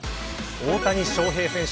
大谷翔平選手